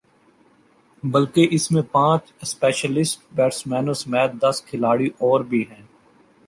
بلکہ اس میں پانچ اسپیشلسٹ بیٹسمینوں سمیت دس کھلاڑی اور بھی ہیں